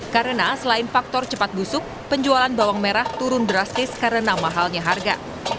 karena selain faktor cepat busuk penjualan bawang merah turun drastis karena mahalnya harga